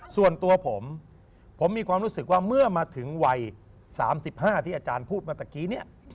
ส่วนตัวผมผมมีความรู้สึกว่าเมื่อมาถึงวัย๓๕ที่อาจารย์พูดมาตะกี้เนี่ย